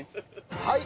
はい！